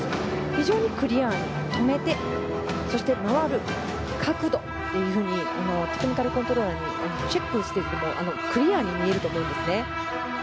非常にクリアで止めて、回る角度というふうにテクニカルコントローラーがチェックしていてもクリアに見えると思うんですよ。